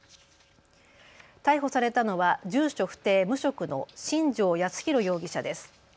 逮捕されたのは住所不定、無職の新城康浩容疑者です。